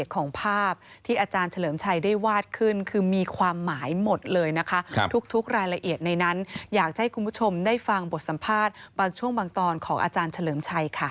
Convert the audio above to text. อยากจะให้คุณผู้ชมได้ฟังบทสัมภาษณ์บางช่วงบางตอนของอาจารย์เฉลิมชัยค่ะ